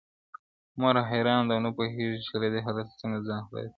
• مور حيران ده او نه پوهېږي چي له دې حالته څنګه ځان خلاص کړي..